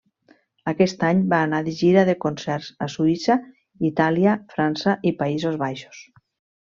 Aquest any va anar de gira de concerts a Suïssa, Itàlia, França i Països Baixos.